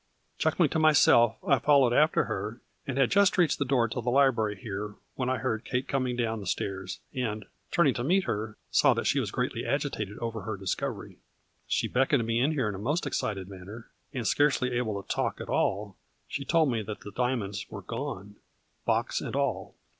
Chuckling to my self, I followed after her, and had just reached the door to the library here, when I heard Kate coming down the stairs, and, turning to meet her, saw that she was greatly agitated over her 26 A FLURRY IN DIAMONDS. discovery. She beckoned me in here in a most excited manner, and scarcely able to talk at all, she told me that the diamonds were gone, box and all.